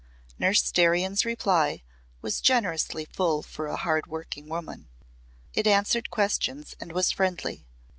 Nurse Darian's reply was generously full for a hard working woman. It answered questions and was friendly.